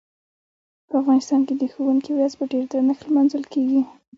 په افغانستان کې د ښوونکي ورځ په ډیر درنښت لمانځل کیږي.